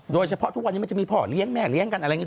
โดยเฉพาะทุกวันนี้มันจะมีพ่อเลี้ยงแม่เลี้ยงกันอะไรอย่างนี้